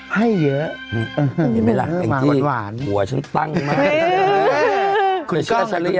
ให้เยอะเห็นไหมล่ะแอ้งที่หัวฉันตั้งมากคุณเชื่อฉันเรียก